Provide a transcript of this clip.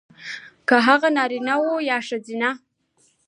کـه هغـه نـاريـنه وي يـا ښـځيـنه .